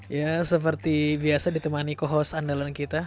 ya seperti biasa ditemani co host andalan kita